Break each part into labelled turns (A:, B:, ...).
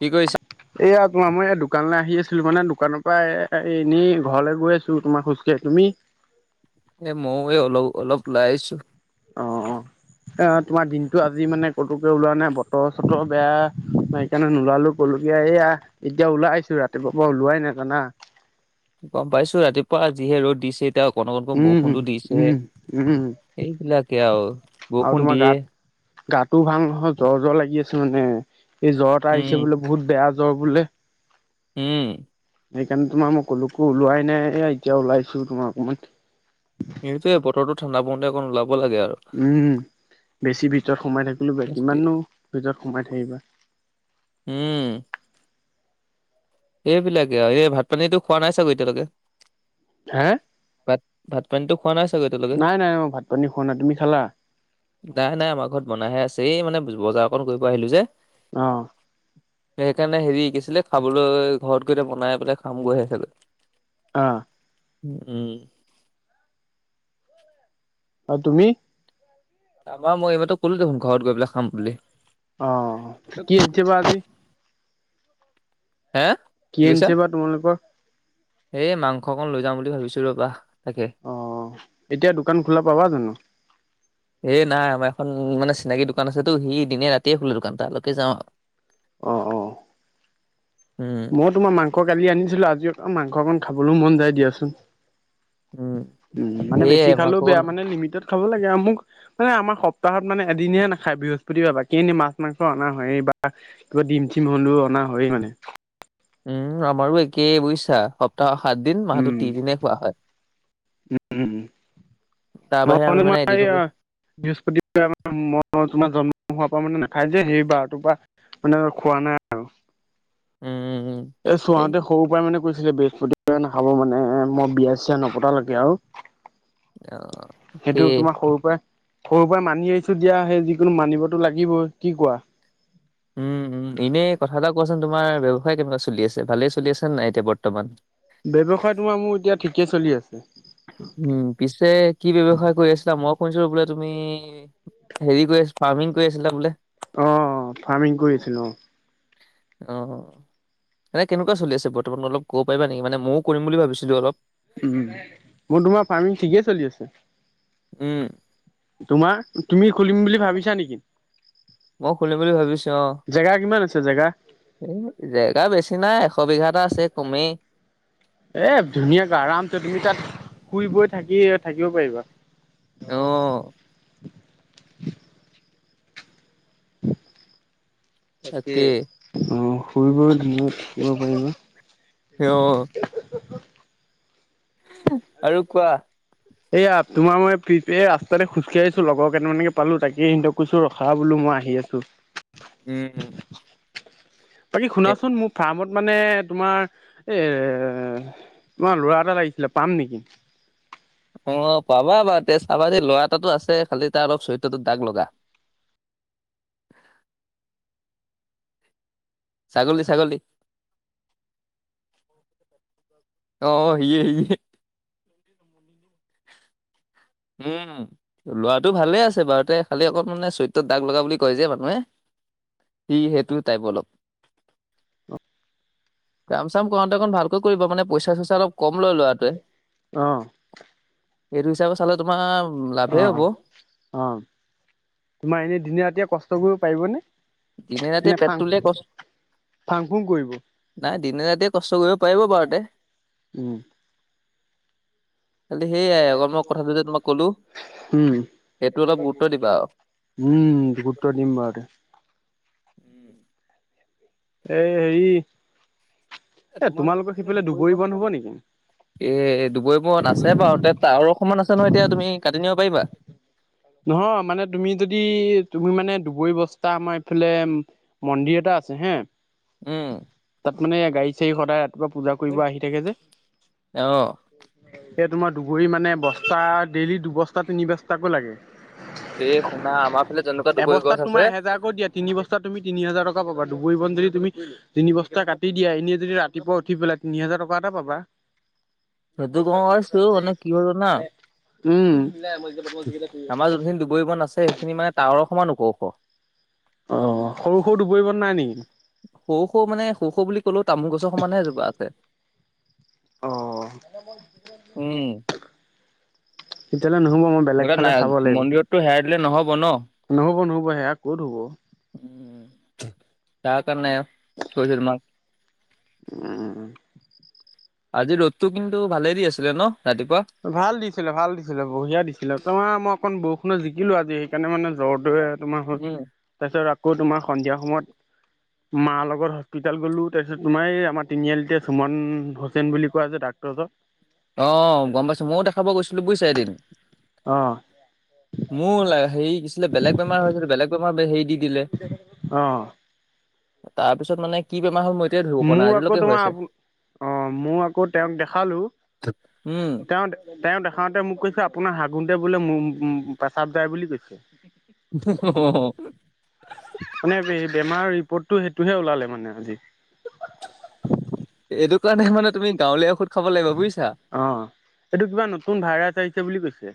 A: কি কৈছা।
B: এয়া তোমাৰ মই এই দোকানলৈ আহি আছিলো মানে দোকানৰ পৰা এ এনেই ঘৰলে গৈ আছো তোমাৰ খোজ, কে তুমি।
A: এ ময়ো অলপ অলপ ওলাই আহিছোঁ।
B: অ, অ তোমাৰ দিনতটো আজি মানে কতোকে ওলোৱা নাই বতৰ চতৰ বেয়া নাই। সেইকাৰণে নোলালো কলো এতিয়া এয়া এতিয়া ওলাইছো ৰাতিপুৱাৰ পৰা ওলোৱাই নাই জানা।
A: গম পাইছো ৰাতিপুৱা যিহে ৰ'দ দিছে এতিয়াও, [unintelligible]
B: উম
A: বৰষুণটো দিছে,
B: উম উম
A: সেইবিলাকে আও,
B: আৰু
A: বৰষুণ
B: তোমাৰ
A: দিয়ে
B: গাত গাটো ভাল নহয় জ্বৰ জ্বৰ লাগি আছে মানে, এই জ্বৰ এটা আহিছে
A: উম
B: বোলো বহুত বেয়া জ্বৰ বোলে।
A: উম,
B: সেইকাৰণে তোমাৰ মই কলোকো ওলোৱাই নাই এ এতিয়া ওলাইছো তোমাৰ অকমান।
A: ইটোয়ে বতৰটো ঠাণ্ডা পৰোতে অ'কন ওলাব লাগে আৰু
B: উম, বেছি ভিতৰত সোমাই থাকিলো বেয়া কিমানো, ভিতৰত সোমাই থাকিবা।
A: উম, এইবিলাকে আৰু এই ভাত পানীতো খোৱা নাই চাগৈ এতিয়ালৈকে?
B: হে
A: ভাত, ভাত পানীটো খোৱা নাই চাগৈ এতিয়া লৈকে।
B: নাই নাই মই ভাত পানী খোৱা নাই তুমি খালা
A: নাই নাই আমাৰ ঘৰত বনাইহে আছে এই মানে বজাৰ অকণ কৰিব আহিলো যে।
B: অ',
A: সেইকাৰণে হেৰি কি আছিলে খাবৰ লৈ ঘৰত গৈ এতিয়া বনাই পেলাই খাম গৈ হে চাগে।
B: অ',
A: উম,
B: অ', তুমি?
A: আমাৰ মই এইমাত্ৰ কলো দেখোন ঘৰত গৈ পেলাই খাম বুলি।
B: অ', কি আনিছে বা আজি?
A: হে?
B: কি আনিছে বা তোমালোকৰ?
A: এই মাংস অকনমান লৈ যাও বুলি ভাবিছোঁ ৰ'বা, তাকে।
B: অ এতিয়া দোকান খোলা পাবা জানো?
A: এ নাই আমাৰ এখন, মানে চিনাকি দোকান আছেতো সি দিনে ৰাতিয়ে খোলে দোকান তালৈকে যাওঁ আও।
B: অ', অ,
A: উম,
B: মই তোমাৰ মাংস কালি আনিছিলো আজি অ, মাংস অকন খাবলৈও মন যায় দিয়াচোন।
A: উম
B: উম, মানে
A: সেয়ে
B: বেছি
A: মাংস
B: খালেও বেয়া
A: অকণ
B: মানে লিমিটত খাব লাগে আও মোক মানে আমাৰ সপ্তাহত মানে এদিনহে নাখায় বৃহস্পতিবাৰ বাকী খিনি মাছ মাংস অনা হয়ে বা কিবা ডিম ঠিম হলেও অনা হয়ে মানে।
A: উম, আমাৰো একে বুইছা। সপ্তাহত সাতদিন মাহতো
B: উম
A: তিনিদিনে খোৱা হয়।
B: উম
A: তাৰ বাহিৰে আমি মানে এদিনো
B: বৃহস্পতিবাৰে ম‌ই তোমাৰ জন্ম হোৱাৰ পৰা মানে নাখায় যে সেইবাৰটোৰ পা। মানে, মই খোৱা নাই আৰু।
A: উম, উম, উম।
B: এ
A: এই
B: চোৱাওতে সৰুৰ পৰাই মানে কৈছিলে বৃহস্পতিবাৰে নাখাব মানে মই বিয়া চিয়া নপতালৈকে আও।
A: অ তাকে
B: সেইটো তোমাৰ সৰু পৰাই সৰুৰ পৰা মানি আহিছো দিয়া সেই যিকোনো মানিবতো লাগিবই, কি কোৱা?
A: উম, উম, এনে কথা এটা কোৱাচোন তোমাৰ ব্যৱসায় কেনেকুৱা চলি আছে ভালেই চলি আছে নে নাই এতিয়া বৰ্তমান?
B: ব্যৱসায়টো তোমাৰ মোৰ এতিয়া ঠিকে চলি আছে।
A: উম, পিছে কি ব্যৱসায় কৰি আছিলা মই শুনিছো বোলে তুমি হেৰি কৰিছ, ফাৰ্মিং কৰি আছিলা বোলে?
B: অ', ফাৰ্মিং কৰিছিলো অ,
A: অ', এনে কেনেকুৱা চলি আছে বৰ্তমান অলপ ক'ব পাৰিবা নেকি মানে মইও কৰিম বুলি ভাবিছিলোঁ অলপ।
B: উম, মৈ তোমাৰ ফাৰ্মিং ঠিকে চলি আছে।
A: উম
B: তোমাৰ, তুমি খুলিম বুলি ভাবিছা নেকি?
A: মই খুলিম বুলি ভাবিছো
B: জেগা কিমান আছে জেগা?
A: উম, জেগা বেছি নাই এশ বিঘা এটা আছে কমেই।
B: এ ধুনীয়াকে আৰাতে তুমি তাত শুই বৈ থাকি থাকিব পাৰিবা।
A: অ'।
B: তাকে অ, শুই- শুই মোক দিব পাৰিবা।
A: সিঅ আৰু কোৱা?
B: এইয়া তোমাৰ ম‌ই পি পে এই ৰাস্তাতে খোজকাঢ়ি আছো লগৰকেইটা মানকে পালো তাকে সিহঁতক কৈছো ৰখা বোলো মই আহি আছো। [unintelligible]
A: উম,
B: বাকী
A: এ
B: শুনাচোন মোক ফাৰ্মত মানে তোমাৰ, এ তোমাৰ লৰা এটা লাগিছিলে পাম নেকি?
A: অহ, পাবা পাওঁতে চাবা দেই লৰা এটাতো আছে। খালি তাৰ অলপ চৰিত্ৰটো দাগ লগা। ছাগলী ছাগলী অহ, সি এহ সি এহ উম ল'ৰাটো ভালে আছে বাৰুতে খালি অকণ মানে চৰিত্ৰত দাগ লগা বুলি কয় যে মানুহে। সি সেইটো টাইপ অলপ।
B: অ
A: কাম চাম কৰোওঁতে অকণ ভালকৈ কৰিবা মান পইচাঁ -চইচা অলপ কম লয় ল'ৰাটোৱে,
B: অ',
A: সেইটো হিচাপে চালে তোমাৰ লাভেই হ'ব।
B: অহ। তোমাৰ এনে দিনে ৰাতিয়ে কষ্ট কৰিব পাৰিবনে?
A: দিনে ৰাতি
B: নে ফাং
A: পেটটো লে কচ
B: ফাং- ফুং কৰিব।
A: নাই দিনে ৰাতিয়ে কষ্ট কৰিব পাৰিব বাৰু হেতে।
B: উম,
A: খালি সেইয়াই অকল মই কথাটো যে তোমাক ক'লো
B: উম,
A: সেইটো অলপ গুৰুত্ব দিবা আও।
B: উম, গুৰুত্ব দিম বাৰুতে। এ হেৰি এ তোমালোকৰ সিফালে দুবৰি বন হ'ব নেকি?
A: এ দুুবৰি বন আছে বাৰুতে টাৱৰ সমান আছে নহয় এতিয়া তুমি কাটি নিব পাৰিবা?
B: নহয় মানে তুমি যদি তুমি মানে দুবৰি বস্তা আমাৰ এইফালে মন্দিৰ এটা আছে হে
A: উম
B: তাত মানে এইয়া গাড়ী চাড়ী সদায় ৰাতিপুৱা পূজা কৰিব আহি থাকে যে।
A: অ।
B: তে তোমাৰ দুবৰি মানে বস্তা ডেইলি দুবস্তা তিনি বস্তাকো লাগে।
A: এই শুনা আমাৰ ফালে যেনেকুৱা দুবৰি
B: এবস্তাত
A: গছ আছে
B: তোমাৰ এহেজাৰকো দিয়ে তিনি বচ তুমি তিনি হাজাৰ টকা পাবা দুুুবৰিবন যদি তুমি তিনি বস্তা কাটি দিয়া এনে যদি ৰাতিপুৱা উঠি পেলাই তিনি হাজাৰ টকা এটা পাবা।
A: সেইটো মই ভাবিছিলো মানে কি হ'ল জানা
B: উম।
A: আমাৰ যোনখিনি দুবৰি বন আছে সেইখিনি মানে টাৱাৰৰ সমান হ'ব ওখ।
B: অ', সৰু -সৰু দুবৰি বন নাই নেকি?
A: সৰু- সৰু মানে সৰু -সৰু বুলি ক'লেও তামোল গছৰ সমানেহে এজোপা আছে।
B: অহ।
A: উম,
B: তেতিয়াহলে নহ'ব মই বেলেগ
A: গতিকে
B: ফালে
A: নাই
B: চাব লাগিব,
A: মন্দিৰতটো হেৰাই দিলে নহ'ব ন।
B: নহ'ব- নহ'ব সেয়া ক'ত হ'ব।
A: তাৰ কাৰণে কৈছোঁ তোমাক।
B: [unintelligible]
A: আজি ৰ'দটো কিন্তু ভালে দি আছিলে ন' ৰাতিপুৱা।
B: ভাল দিছিলে -ভাল দিছিলে বঢ়িয়া দিছিলে তোমাৰ মই অকণ বৰষুণত জিকিলো আজি সেইকাৰণে মানে জ্বৰটোহে তোমাৰ হ
A: উম।
B: তাৰপিছত আকৌ তোমাৰ সন্ধিয়া সময়ত মা লগত হস্পিতাল গ'লো তাৰপিছত তোমাৰ এই আমাৰ তিনিআলিতে ঝুমণ ভজ হুছেইন বুলি কোৱা যে ডাক্তৰ জন
A: অ গম পাইছোঁ। মইও দেখাব গৈছিলোঁ। বুইছা এদিন
B: অহ।
A: মোৰ হেৰি কি হৈছিলে, বেলেগ বেমাৰ হৈছিল। বেলেগ বেমাৰ হেৰি দি দিলে।
B: অ
A: তাৰপিছত মানে কি বেমাৰ হল মই এতিয়া ধৰিব পৰা
B: মোৰ
A: নাই
B: আকৌ
A: আজিলৈকে হৈ
B: তোমাৰ
A: আছে।
B: অ, মই আকৌ তেওঁক দেখালো।
A: উম,
B: তেওঁ- তেওঁ দেখাওঁতে মোক কৈছে আপোনাৰ হাগুন্তে বোলে পেচাব যাই বুলি কৈছে।
A: [unintelligible]
B: মানে বেমাৰৰ ৰিপৰ্টটো সেইটোহে ওলালে মানে আজি।
A: এইটো কাৰণে মানে তুমি গাঁৱলীয়া ঔষধ খাব লাগিব বুইছা।
B: অ', এইটো কিবা নতুন ভাইৰাছ আহিছে বুলি কৈছে।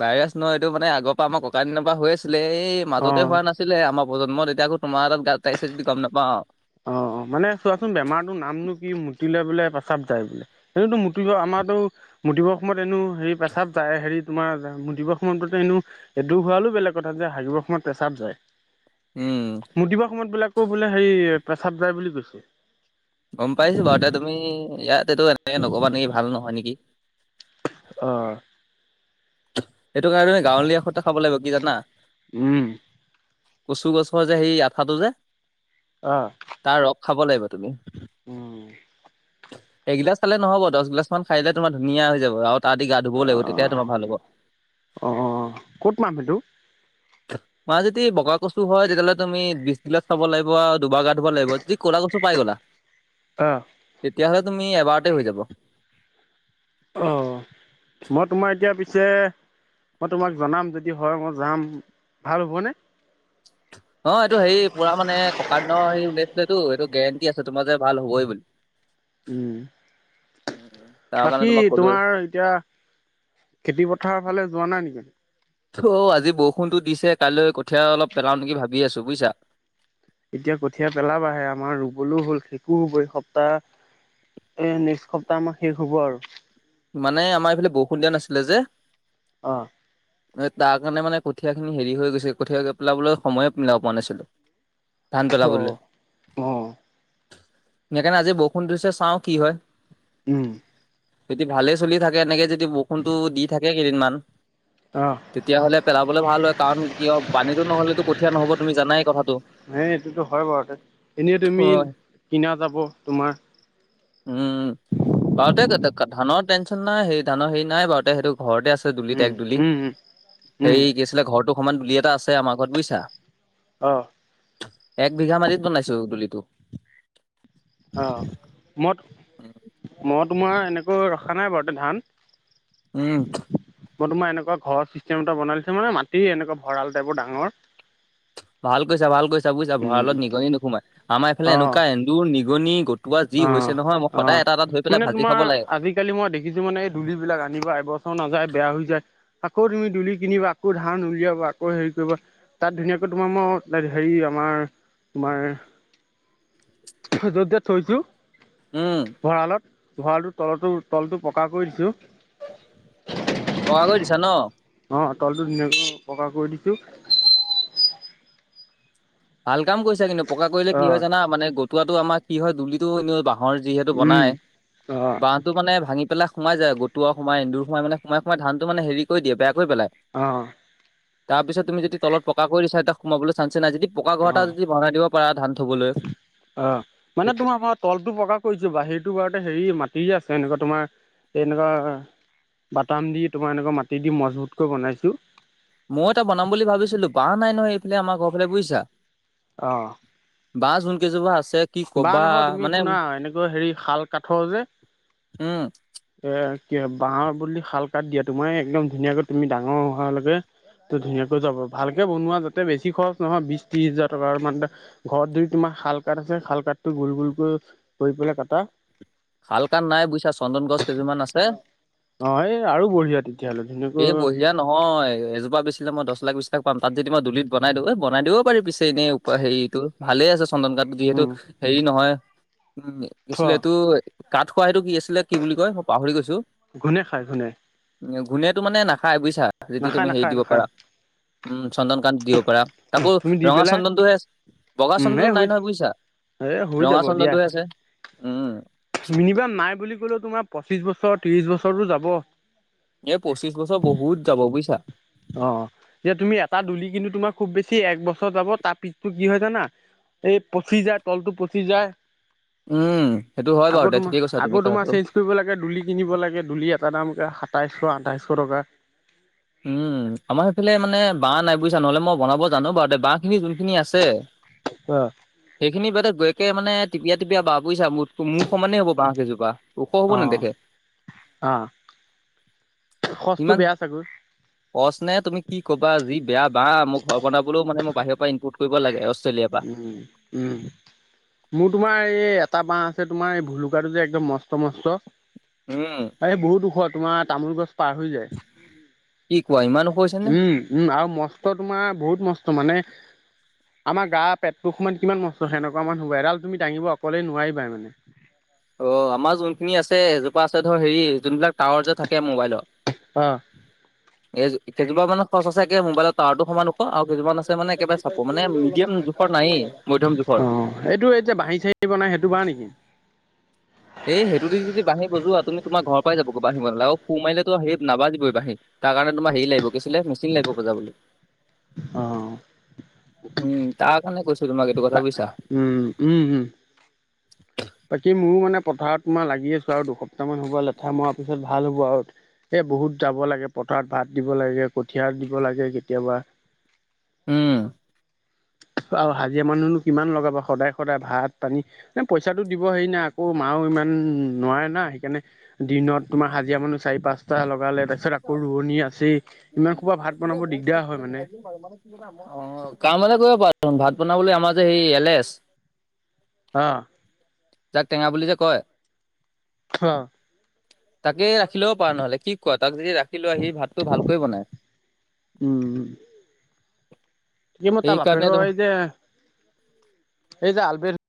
A: বাইৰাছ ন' এইটো মানে আগৰ পৰা আমাৰ ককাৰ দিনৰ পৰা হৈ আছিলে এই
B: অ
A: মাজতে হোৱা নাছিলে আমা প্ৰজন্মত তেতিয়া আকৌ তোমাৰ তাত গাত গাইছে যদি গম নাপাওঁ।
B: অ অ মানে চোৱাচোন, বেমাৰটোৰ নামনো কি মুতিলে বোলে পেছাৱ যায় বোলে। সেইটোতো মুতিলোৱা আমাৰটো মুতিব সময়ত এনেও হেৰি পেচাপ যায় হেৰি তোমাৰ মুতিব সময় এনেও এইটো হোৱা হলেও বেলেগ কথা, যে হাগিবৰ সময়ত পেছাব যায়।
A: উম
B: মুতিব সময়ত বোলে খুব বোলে হেৰি পেচাৱ যায় বুলি কৈছে।
A: গম পাইছো বাউ এতিয়া তুমি ইয়াতেটো এনেকে নকবা নেকি ভাল নহয় নেকি
B: অহ
A: সেইটো কাৰণে গাঁৱলীয়া ঔষত এটা খাব লাগিব। কি জানা
B: উম
A: কচু গছৰ যে সেই আঠাটো যে
B: আহ
A: তাৰ ৰস খাব লাগিব তুমি
B: উম।
A: এগিলাছ খালে নহব, দছ গিলাছ মান খাই তোমাৰ ধুনীয়া হৈ যাব আৰু তাহাতি গা ধুবও লাগিব। তেতিয়াহ তোমাৰ ভাল হব।
B: অহ অহ, কত পাম সেইটো
A: তোমাৰ যদি বগা কচু হয়। তেতিয়াহলে তুমি বিছ গিলাছ খাব লাগিব আৰু দুবাৰ গা ধুব লাগিব। যদি কলা কচু পাই গল
B: অহ
A: তেতিয়া হলে তুমি এবাৰতে হৈ যাব।
B: অ, মই তোমাৰ এতিয়া পিছে মই তোমাক জনাম যদি হয় মই যাম। ভাল হবনে? [inaudible]
A: অ এইটো হেৰি পুৰা মানে ককা দিনৰ হে ওলাইছিলেতো এইটো গেৰেণ্টি আছে। তোমাৰ যে ভাল হবই বুলি
B: উম
A: [inaudible]
B: বাকী
A: তোমাক ক'লোৱে
B: তোমাৰ এতিয়া খেতি পথাৰৰ ফালে যোৱা নাই নেকি?
A: অহ, আজি বৰষুণতো দিছে। কাইলৈ কঠীয়া অলপ পেলাওঁ নেকি ভাবি আছোঁ। বুইচা
B: এতিয়া কঠীয়া পেলাবা হে আমাৰ ৰুবলৈও হল। শেকো হব এই সপ্তাহ। এই নেক্সট সপ্তাহ আমাৰ শেষ হব আৰু
A: মানে আমাৰ এইফালে বৰষুণ দিয়া নাছিলে যে
B: অহ
A: তাৰ কাৰণে মানে কঠীয়াখিনি হেৰি হৈ গৈছে। কঠীয়া পেলাবলৈ সময়ে মিলাব পৰা নাছিলোঁ।
B: [inaudible]
A: ধান পেলাবলৈ
B: অ', অ',
A: সেই কাৰণে আজি বৰষুণ দিছে। চাওঁ কি হয়।
B: উম
A: যদি ভালে চলি থাকে। এনেকে যদি বৰষুণটো দি থাকে কেইদিনমান।
B: অ',
A: তেতিয়াহলে পেলাবলে ভাল হয়। কাৰণ কিয় পানীতো নহলেতো কঠীয়া নহব তুমি জানাই কথাটো।
B: হে এইটোতো হয় বাৰু এনেই তুমি কিনা যাব তোমাৰ
A: উম পাওঁতে [unintelligible] ধানৰ টেনশ্যন নাই হে ধানৰ হেৰি নাই বাৰু তে সেইটো ঘৰতে আছে দুলিত
B: উম,
A: এক দুলি।
B: উম, উম, উম,
A: হেৰি কি আছিলে ঘৰটো সমান দুলি এটা আছে আমাৰ ঘৰত বুইছা।
B: অহ
A: এক বিঘাত মাটিত বনাইছোঁ। গুলীটো
B: অহ, মই
A: উম।
B: মই তোমাৰ এনেকৈ ৰখা নাই বাৰু তে ধান।
A: উম,
B: মই তোমাৰ এনেকুৱা ঘৰ চিষ্টেম এটা বনাই দিছো মানে মাটি এনেকুৱা ভৰাল টাইপৰ ডাঙৰ।
A: ভাল কৰিছা ভাল কৰিছা বুইছা
B: উম,
A: ভঁৰালত নিগনি নোসোমাই আমাৰ এইফালে
B: অ',
A: এনেকুৱা হন্দুৰ নিগনি তোমাৰ যি
B: অ',
A: হৈছে নহয় মই
B: অ'।
A: সদায় এটা-এটা ধৰি
B: মানে
A: পেলাই ভাজি
B: তোমাৰ
A: খাব লাগে।
B: আজিকালি মই দেখিছো মানে এই দুলি বিলাক আনিবা এবছৰো নাযায় বেয়া হৈ যায়। আকৌ তুমি দুলি কিনিবা আকৌ ধান উলিয়াবা আকৌ হেৰি কৰিবা তাত ধুনীয়াকৈ তোমাৰ মই হেৰি আমাৰ তোমাৰ য'ত য'ত থৈছো
A: উম।
B: ভৰালত ভৰালটো তলতো তলটো পকা কৰি দিছেও।
A: পকা কৰি দিছা ন?
B: অ' তলটো ধুনীয়াকৈ পকা কৰি দিছোঁ।
A: ভাল কাম কৰিছা কিন্তু পকা কৰিলে কি হয়
B: অ',
A: জানা মানে গটুৱাটো আমাৰ কি হয় দুলিটো এনে বাহ হৰ যিহেতু
B: উম।
A: বনাই
B: অ',
A: বা ত, মানে ভাঙি পেলাই সোমাই যায় গটোৱা সোমাই, এন্দুৰ সোমাই, মানে সোমাই-সোমাই মানে ধানতো হেৰি কৰি দিয়ে বেয়া কৰি পেলাই।
B: অ'।
A: তাৰ পিছত তুমি যদি তলত পকা কৰি দিছা এতিয়া সোমাবলৈ চাঞ্চে নাই যদি পকা ঘৰ এটা
B: অ',
A: যদি বনাই দিব পাৰা ধান থ'বলৈ
B: অ'। মানে
A: সেই
B: তোমাৰ মই তলটো পকা [unintelligible] বাহিৰটো বাৰুতে হেৰি মাটি যে আছে এনেকুৱা তোমাৰ এনেকা বাটাম দি তোমাৰ এনেকুৱা মাটি দি মজবুতকৈ বনাইছোঁ।
A: ময়ও এটা বনাম বুলি ভাবিছিলো বাঁহ নাই নহয় এইফালে আমাৰ ঘৰ ফালে বুইছা।
B: অ'।
A: বাঁহ যোন কেইজোপা আছে কি
B: বাঁহ
A: কবা
B: নহয় তুমি
A: মানে
B: শুনা এনেকুৱা হেৰি শাল কাঠৰ যে
A: উম
B: এ কি বাঁহৰ বুলি শাল কাঠ দিয়াতো মই একদম ধুনীয়াকৈ তুমি ডাঙৰ হোৱালৈকে তো ধুনীয়াকৈ যাব ভালকে বনোৱা যাতে বেছি খৰচ নহয় বিশ ত্ৰিশ হাজাৰ টকাৰ মানতে ঘৰত যদি তোমাৰ শাল কাঠ আছে শাল কাঠটো গোল-গোল কৰি কৰি পেলাই কাটা।
A: শালকাঠ নাই বুইছা চন্দন গছ কেইযোৰমান আছে।
B: অ' এই আৰু বঢ়িয়া তেতিয়াহ'লে তেনেকয়
A: এই বঢ়িয়া নহয় এজোপা বেছিলে মই দছ লাখ বিশ লাখ পাম তাত যদি মই দুলিত বনাই দিওঁ এই বনাই দিব পাৰি পিছে এনেই উপ হেৰিটো ভালেই আছে চন্দন কাঠটো যিহেতু
B: উম,
A: হেৰি নহয় কিছিলে
B: থোৱা
A: এইটো কাঠ খোৱা হিটো কি আছিলে কি বুলি কয়? মই পাহৰি গৈছো।
B: ঘূনে খাই ঘূনে।
A: ঘূণেটো মানে নাখায় বুইছা যদি
B: নাখায়
A: তুমি হেৰিত
B: নাখায়
A: দিব
B: নাখায়
A: পাৰা উম চন্দনকাঠ দিব পাৰা। তাকো
B: তুমি দি
A: ৰঙা
B: পেলাই
A: চন্দনটোহে বগা
B: উম, এ
A: চন্দনটো নাই
B: হৈ
A: নহয় বুজিছা।
B: এ হৈ
A: ৰঙা
B: যাব দিয়া।
A: চন্দনটোহে আছে উম।
B: মিনিমাম নাই বুলি ক'লেও তোমাৰ পঁচিশ বছৰ ত্ৰিশ বছৰটো যাব।
A: এইাৰ পঁচিশ বছৰ বহুত যাব বুয়চা।
B: অ' যে তুমি এটা দুলি কিন্তু তোমাৰ খুব বেছি এক বছৰ যাব তাৰ পিছতো কি হয় জানা এই পচি যায় তলটো পচি যায়।
A: উম, সেইটো হয়
B: আকৌ
A: বাৰু দে
B: তোমাৰ
A: ঠিকেই কৈছা
B: আকৌ
A: তুমি
B: তোমাৰ
A: কথাটো।
B: চেঞ্জ কৰিব লাগে দুলি কিনিব লাগে দুলি এটা দাম পুৰা সাতাইছশ আঠাইছশ টকা।
A: উম। আমাৰ সেইফালে মানে বাঁহ নাই বুইছা নহ'লে মই বনাব জানো বাৰু দে বাঁহখিনি যোনখিনি আছে
B: অ'।
A: সেইখিনি বাতে গৈকে মানে টিপীয়া টিপীয়া বাঁহ বুইছা মুঠ তো মূৰ সমানে হ'ব বাঁহকেইজোপা ওখ হব নেদেখে।
B: সচটো বেয়া চাগৈ
A: সচ নে তুমি কি কবা যি বেয়া বা মোৰ ঘৰ বনাবলৈও মানে মোৰ বাহিৰৰ পৰা ইনপোৰ্ট কৰিব লাগে অষ্ট্ৰেলিয়াৰ পৰা
B: উম উম মোৰ তোমাৰ এই এটা বাঁহ আছে তোমাৰ এই ভুলুকাটো যে একদম মস্ত মস্ত
A: উম,
B: এই বহুত ওখ তোমাৰ তামোল গছ পাৰ হৈ যায়
A: কি কোৱা ইমান ওখ হৈছে নে?
B: উম উম আৰু ম স্ত তোমাৰ বহুত মস্ত মানে। তা পেটতো সময়ত কিমান মস্ত সেনেকোৱা মান হ'ব এডাল তুমি দাঙিব অকলেই নোৱাৰিবা মানে।
A: অ আমাৰ যোনখিনি আছে এজোপা আছে ধৰ হেৰি যোনবিলাক টাৱাৰ যে থাকে মোবাইলৰ
B: অ'।
A: এই কেইজোপা মানে খৰচ আছে মোবাইলৰ টাৱাৰতো সমান ওখ আও কেইজোমান আছে মানে একেবাৰে চাপ মানে মিডিয়েম জোখৰ নায়েই মধ্যম জোখৰ।
B: অ এইটো এতিয়া বাঁহি চাহি বনাই সেইটো বাহঁ নেকি?
A: এই সেইটো দি যদি বাঁহী বজোৱা তুমি তোমাৰ ঘৰ পাই যাব বাঁহী বজালে আকৌ ফুহ মাৰিলেতো সেইত নাবাজিবই বাঁহী। তাৰ কাৰণে তোমাৰ হেৰি লাগিব কি আছিলে মিচিন লাগিব বজাবলে।
B: অ'।
A: উম তাৰ কাৰণে কৈছোঁ তোমাক এইটো কথা বুইছা।
B: উম উম উম। বাকী মোৰো মানে পথাৰত তোমাৰ লাগি আছো আৰু দুসপ্তাহ মান হ'ব আৰু লেঠা মৰা পিছত ভাল হ'ব আৰু। এই বহুত যাব লাগে পথাৰত ভাত দিব লাগে কঠিয়া দিব লাগে কেতিয়াবা।
A: উম।
B: আৰু হাজিৰা মানুহনো কিমান লগাব সদায় সদায় ভাত পানী ন পইচাটো দিব হেৰি নাই আকৌ মাও ইমান নোৱাৰে না সেইকাৰণে দিনত তোমাৰ হাজিৰা মানুহ চাৰি পাঁচটা লগালে। তাৰ পিছত আকৌ ৰোৱনী আছেই ইমান সোপা ভাত বনাব দিগদাৰ হয় মানে।
A: অ কাম এটা কৰিব পাৰা ভাত বনাবলৈ আমাৰ যে সেই এলেচ
B: অ।
A: যাক টেঙা বুলি যে কয়।
B: খ
A: তাকে ৰাখি ল'ব পাৰা নহ'লে কি? কোৱা তাক যদি ৰাখি লোৱা সি ভাতটো ভালকৈ বনাই।
B: উম। কি মই তা বাপেকে
A: সেইকাৰণে
B: এই যে এই যে আলবিৰ-